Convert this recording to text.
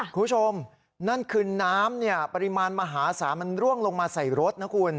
คุณผู้ชมนั่นคือน้ำเนี่ยปริมาณมหาศาลมันร่วงลงมาใส่รถนะคุณ